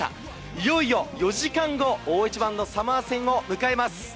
いよいよ４時間後大一番のサモア戦を迎えます。